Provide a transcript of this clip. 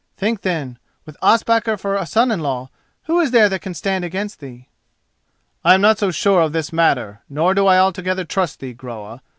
Think then, with Ospakar for a son in law, who is there that can stand against thee?" "I am not so sure of this matter, nor do I altogether trust thee, Groa.